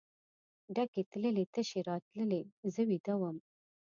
ډکې تللې تشې راتللې زه ویده وم.